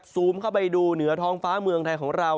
ซูมเข้าไปดูเหนือท้องฟ้าเมืองไทยของเรา